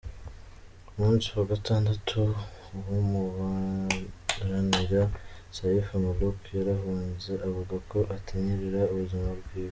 Ku musi wa gatandatu, uwumuburanira, Saif Mulook, yarahunze avuga ko atinyirira ubuzima bwiwe.